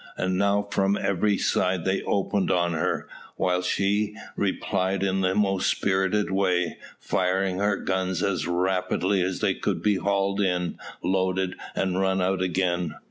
And now from every side they opened on her, while, she replied in the most spirited way, firing her guns as rapidly as they could be hauled in, loaded, and run out again.